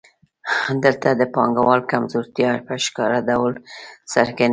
دلته د پانګوال کمزورتیا په ښکاره ډول څرګندېږي